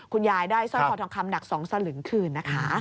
ยายได้สร้อยคอทองคำหนัก๒สลึงคืนนะคะ